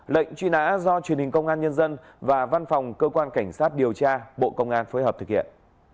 lệnh truy nã do truyền hình công an nhân dân và văn phòng cơ quan cảnh sát điều tra bộ công an phối hợp thực hiện